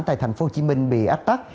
tại tp hcm bị ách tắt